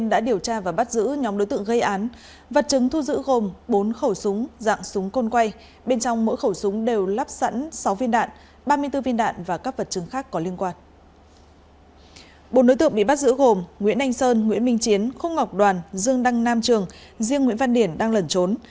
bốn đối tượng bị bắt giữ gồm nguyễn anh sơn nguyễn minh chiến khúc ngọc đoàn dương đăng nam trường riêng nguyễn văn điển đang lẩn trốn